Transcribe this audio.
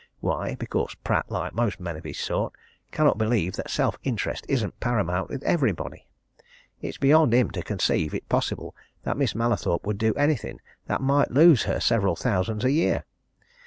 Why? Because Pratt, like most men of his sort, cannot believe that self interest isn't paramount with everybody it's beyond him to conceive it possible that Miss Mallathorpe would do anything that might lose her several thousands a year.